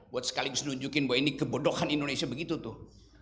buat sekaligus nunjukin bahwa ini kebodohan indonesia begitu tuh